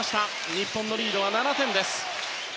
日本のリードは７点です。